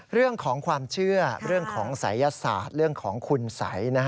เรื่องของความเชื่อเรื่องของศัยศาสตร์เรื่องของคุณสัย